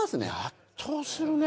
圧倒するね。